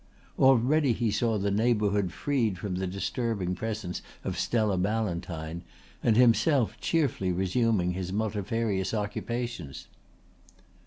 Already he saw the neighbourhood freed from the disturbing presence of Stella Ballantyne and himself cheerfully resuming his multifarious occupations.